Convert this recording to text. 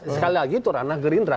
sekali lagi itu ranah gerindra